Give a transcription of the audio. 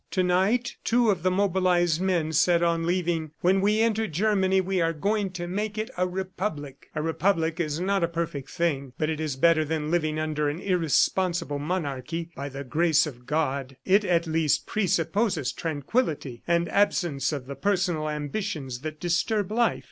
To night two of the mobilized men said on leaving, 'When we enter Germany we are going to make it a republic!' ... A republic is not a perfect thing, but it is better than living under an irresponsible monarchy by the grace of God. It at least presupposes tranquillity and absence of the personal ambitions that disturb life.